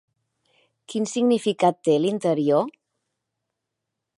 Quin significat té l'interior?